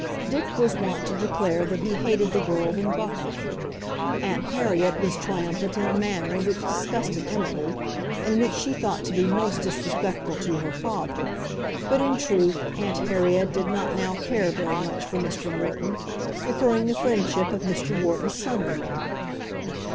Dick was wont to declare that he hated the world in buckram. Aunt Harriet was triumphant in a manner which disgusted Emily, and which she thought to be most disrespectful to her father; but in truth Aunt Harriet did not now care very much for Mr. Wharton, preferring the friendship of Mr. Wharton's son in law.